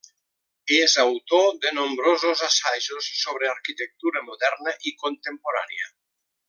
És autor de nombrosos assajos sobre arquitectura moderna i contemporània.